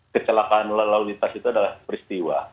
kecelakaan lalu lintas itu adalah peristiwa